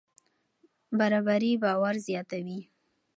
برابري باور زیاتوي.